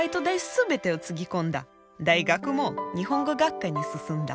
大学も日本語学科に進んだ。